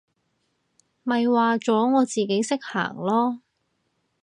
咪話咗我自己識行囉！